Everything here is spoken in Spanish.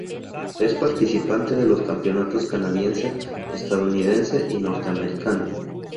Es participante de los campeonatos canadiense, estadounidense y norteamericano.